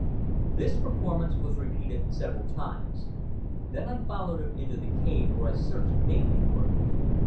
This performance was repeated several times. Then I followed him into the cave, where I searched vainly for him.